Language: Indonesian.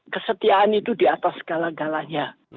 kesetiaan itu di atas segala galanya